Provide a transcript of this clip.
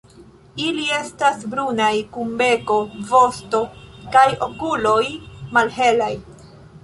Ili estas brunaj, kun beko, vosto kaj okuloj malhelaj.